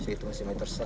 itu musola itu pak